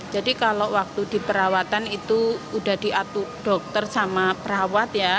jadi kalau waktu di perawatan itu sudah diatu dokter sama perawat ya